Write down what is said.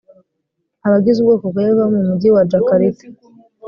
abagize ubwoko bwa yehova bo mu mugi wa jakarta